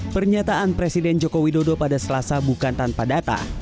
pernyataan presiden joko widodo pada selasa bukan tanpa data